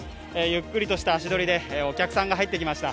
ゆっくりとした足取りで、お客さんが入ってきました。